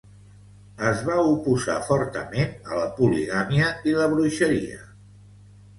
Es va oposar fortament a la poligàmia i la bruixeria.